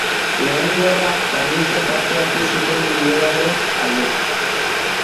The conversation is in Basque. Lehen Gerra Karlistan parte hartu zuten liberalen alde.